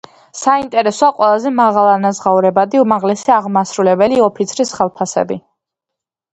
საინტერესოა ყველაზე მაღალანაზღაურებადი უმაღლესი აღმასრულებელი ოფიცრის ხელფასები.